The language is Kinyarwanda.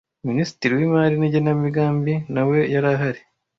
Minisitiri w Imari n Igenamigambi nawe yarahari